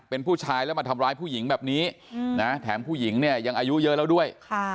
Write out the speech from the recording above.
เป็นผู้ชายแล้วมาทำร้ายผู้หญิงแบบนี้นะแถมผู้หญิงเนี่ยยังอายุเยอะแล้วด้วย